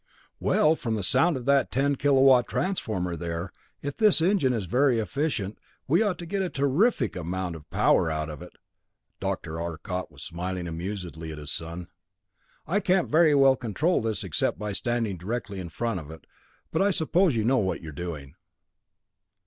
"Well, from the sound of that ten K.W. transformer there, if this engine is very efficient we ought to get a terrific amount of power out of it." Dr. Arcot was smiling amusedly at his son. "I can't very well control this except by standing directly in front of it, but I suppose you know what you're doing."